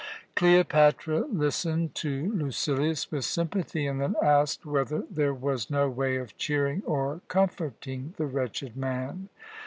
Cleopatra listened to Lucilius with sympathy, and then asked whether there was no way of cheering or comforting the wretched man.